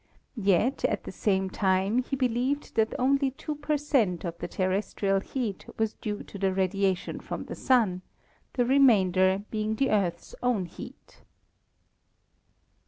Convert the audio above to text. Yet at the same time he believed that only 2 per cent, of the terrestrial heat was due to the radiation from the Sun, 'the remainder being the Earth's own heat.